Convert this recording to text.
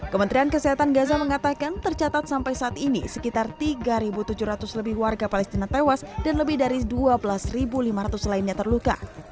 kementerian kesehatan gaza mengatakan tercatat sampai saat ini sekitar tiga tujuh ratus lebih warga palestina tewas dan lebih dari dua belas lima ratus lainnya terluka